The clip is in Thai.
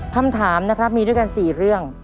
คำถามนะครับมีด้วยกัน๔เรื่อง